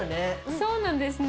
そうなんですね。